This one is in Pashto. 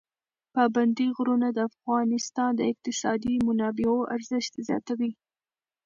پابندی غرونه د افغانستان د اقتصادي منابعو ارزښت زیاتوي.